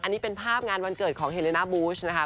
อันนี้เป็นภาพงานวันเกิดของเฮเลน่าบูชนะคะ